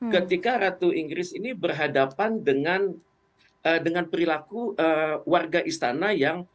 ketika ratu inggris ini berhadapan dengan perilaku warga istana yang